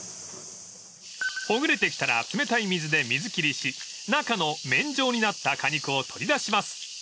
［ほぐれてきたら冷たい水で水切りし中の麺状になった果肉を取り出します］